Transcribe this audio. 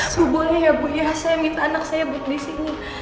bu boleh ya bu ya saya minta anak saya buat disini